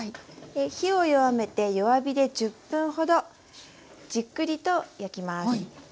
火を弱めて弱火で１０分ほどじっくりと焼きます。